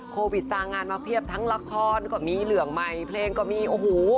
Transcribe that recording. โควิดสร้างงานมาเพียบทั้งละครก็มีเหลืองใหม่เพลงก็มีโอ้โห